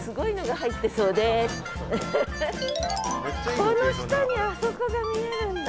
この下にあそこが見えるんだ。